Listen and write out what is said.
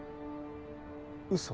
うそ？